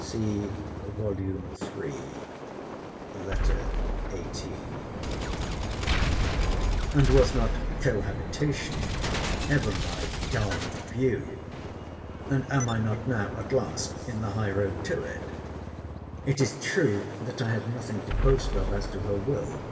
* And was not cohabitation ever my darling view? And am I not now, at last, in the high road to it?—It is true, that I have nothing to boast of as to her will.